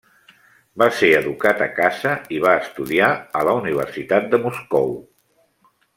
Va ser educat a casa, i va estudiar a la Universitat de Moscou.